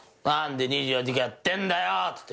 「何で２４時間やってんだよ！」